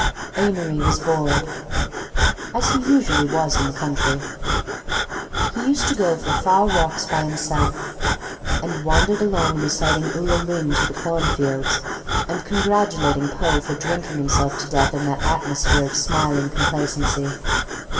Amory was bored, as he usually was in the country. He used to go for far walks by himself—and wander along reciting "Ulalume" to the corn fields, and congratulating Poe for drinking himself to death in that atmosphere of smiling complacency.